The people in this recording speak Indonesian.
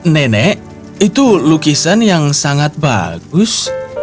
nenek itu lukisan yang sangat bagus